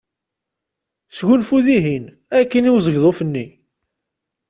Sgunfu dihin akkin i uzegḍuf-nni.